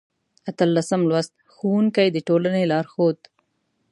اتلسم لوست: ښوونکی د ټولنې لارښود